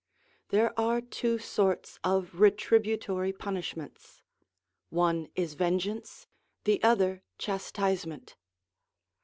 There are two sorts of retributory punish ments. One is vengeance, the other chastisement.